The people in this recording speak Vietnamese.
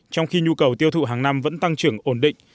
trong khi nhu cầu tiêu thụ hàng năm vẫn tăng trưởng ổn định